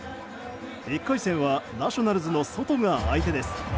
１回戦はナショナルズのソトが相手です。